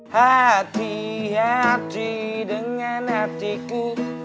hati hati dengan hatiku